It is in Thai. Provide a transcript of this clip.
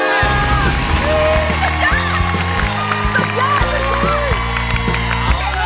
สุดยอดสุดยอด